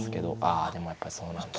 あでもやっぱりそうなんだ。